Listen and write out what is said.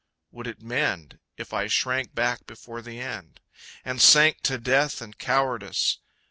Would it mend If I shrank back before the end? And sank to death and cowardice?